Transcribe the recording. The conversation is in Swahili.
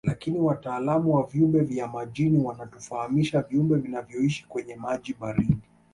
Lakini wataalamu wa viumbe vya majini wanatufahamisha viumbe vinavyoishi kwenye maji baridi